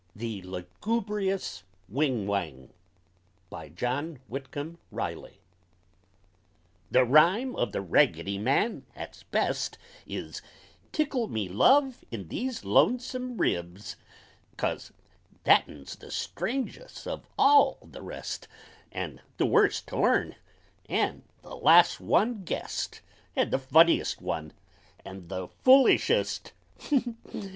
THE LUGUBRIOUS WHING WHANG BY JAMES WHITCOMB RILEY The rhyme o' The Raggedy Man's 'at's best Is Tickle me, Love, in these Lonesome Ribs, 'Cause that un's the strangest of all o' the rest, An' the worst to learn, an' the last one guessed, An' the funniest one, an' the foolishest.